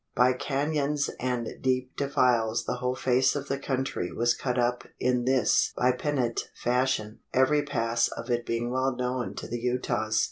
By canons and deep defiles the whole face of the country was cut up in this bi pinnate fashion every pass of it being well known to the Utahs.